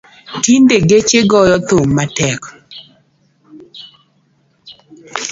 Tinde geche goyo thum matek